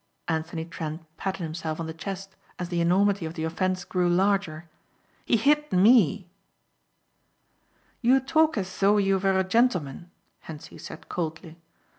Anthony Trent patted himself on the chest as the enormity of the offence grew larger, "he hit me!" "You talk as though you were a gentleman," Hentzi said coldly.